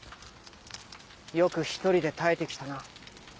よく一人で耐えて来たな。